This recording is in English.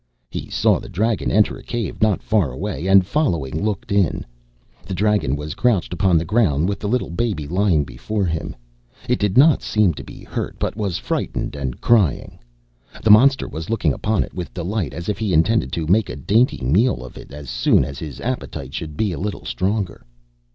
He saw the dragon enter a cave not far away, and following looked in. The dragon was crouched upon the ground with the little baby lying before him. It did not seem to be hurt, but was frightened and crying. The monster was looking upon it with delight, as if he intended to make a dainty meal of it as soon as his appetite should be a little stronger.